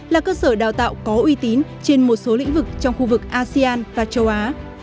là cơ sở đào tạo có uy tín trên một số lĩnh vực trong khu vực asean và châu á